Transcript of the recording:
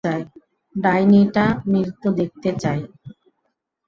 ডাইনি টা মৃত দেখতে চায়।